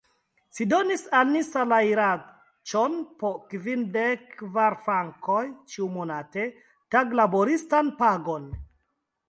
Ci donis al ni salajraĉon po kvindek kvar frankoj ĉiumonate, taglaboristan pagon!